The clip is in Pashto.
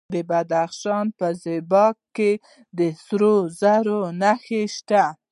د بدخشان په زیباک کې د سرو زرو نښې شته.